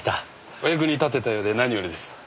お役に立てたようで何よりです。